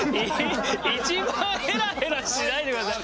一番ヘラヘラしないでください。